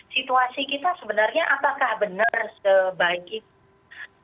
situasi kita sebenarnya apakah benar sebaik itu